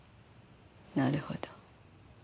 なるほど。